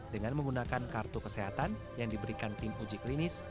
dengan menggunakan kartu kesehatan yang diberikan tim uji klinis